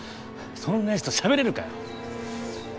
そんな奴としゃべれるかよ！